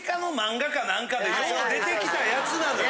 よう出てきたやつなのよ。